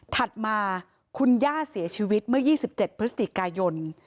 ถัดมาคุณย่าเสียชีวิตเมื่อ๒๗พฤศจิกายน